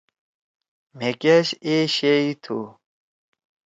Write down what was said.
مھے کیش اے شِئی تُھو۔